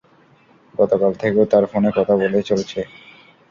গতকাল থেকে ও তার ফোনে কথা বলেই চলছে।